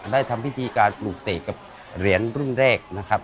ทำพิธีการปลูกเสกกับเหรียญรุ่นแรกนะครับ